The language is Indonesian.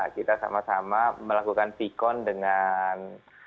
kita sama sama melakukan v con dengan